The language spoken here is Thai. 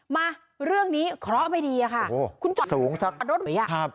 มาเรื่องนี้เคราะห์ไม่ดีอะค่ะโอ้คุณจอดสูงซักปะรดไหมอ่ะครับ